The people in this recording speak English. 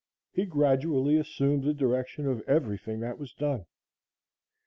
He gradually assumed the direction of everything that was done.